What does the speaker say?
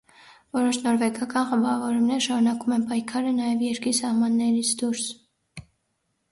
Որոշ նորվեգական խմբավորումներ շարունակում են պայքարը նաև երկրի սահմաններից դուրս։